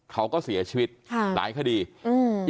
เขาก็เสียชีวิตค่ะหลายคดีอืม